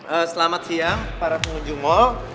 eee selamat siang para pengunjung mall